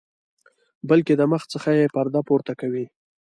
بلکې د مخ څخه یې پرده پورته کوي.